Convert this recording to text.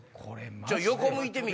横向いてみ？